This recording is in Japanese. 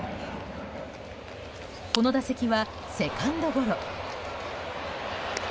この打席はセカンドゴロ。